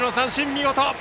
見事！